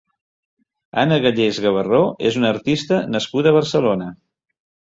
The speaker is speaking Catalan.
Anna Gallés Gabarró és una artista nascuda a Barcelona.